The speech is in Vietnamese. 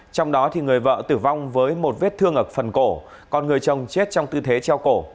trong đó người vợ tử vong với một vết thương ở phần cổ còn người chồng chết trong tư thế treo cổ